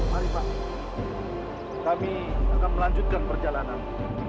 mari pak kami akan melanjutkan perjalanan